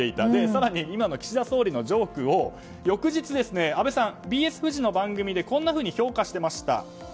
更に、今の岸田総理のジョークを翌日安倍さんはＢＳフジの番組でこんなふうに評価していました。